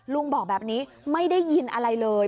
ลุงบอกแบบนี้ไม่ได้ยินอะไรเลย